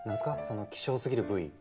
その希少すぎる部位。